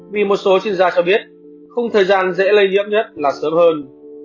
vì một số chuyên gia cho biết khung thời gian dễ lây nhiễm nhất là sớm hơn